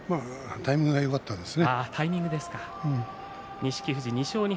タイミングがよかったよね。